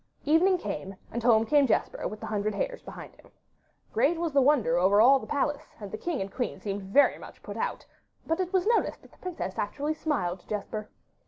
Evening came, and home came Jesper with the hundred hares behind him. Great was the wonder over all the palace, and the king and queen seemed very much put out, but it was noticed that the princess actually smiled to Jesper.